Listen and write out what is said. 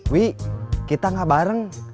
wih kita gak bareng